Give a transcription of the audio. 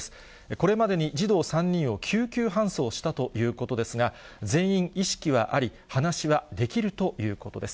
これまでに児童３人を救急搬送したということですが、全員意識はあり、話はできるということです。